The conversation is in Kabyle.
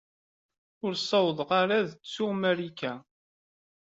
Ur ssawḍeɣ ara ad ttuɣ Marika.